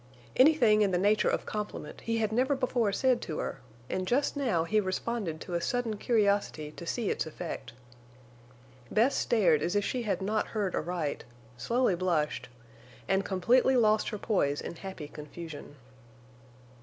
Anything in the nature of compliment he had never before said to her, and just now he responded to a sudden curiosity to see its effect. Bess stared as if she had not heard aright, slowly blushed, and completely lost her poise in happy confusion.